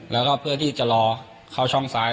แล้วก็เพื่อที่จะรอเข้าช่องซ้าย